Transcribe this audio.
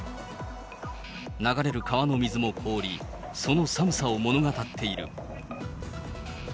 流れる川の水も凍り、その寒さを物語っている。